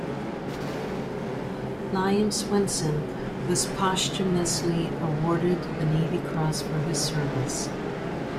Lyman Swenson was posthumously awarded the Navy Cross for his service.